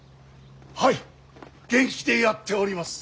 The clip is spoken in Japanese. はい元気でやっております。